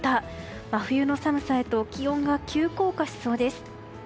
真冬の寒さへと気温が急降下しそうです。